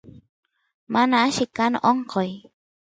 mana alli kan onqoy